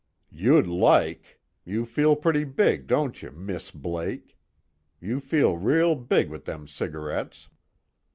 "You'd like.... You feel pretty big, don't you, Miss Blake? You feel real big wit' them cigarettes.